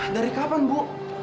dari kapan bu